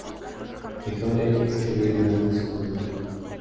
Dejó de escribir durante su juventud.